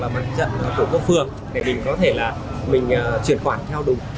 hoặc là bản dân của cơ phường để mình có thể là mình chuyển khoản theo đúng